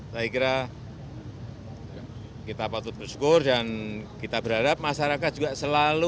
saya kira kita patut bersyukur dan kita berharap masyarakat juga selalu